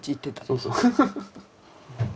そうそう。